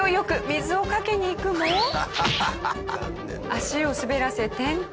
足を滑らせ転倒。